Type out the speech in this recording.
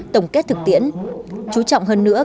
tổng kết thực tiễn chú trọng hơn nữa